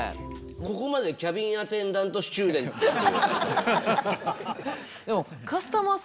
ここまでキャビンアテンダントスチューデントって。